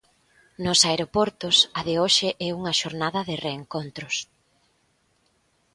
Nos aeroportos a de hoxe é unha xornada de reencontros.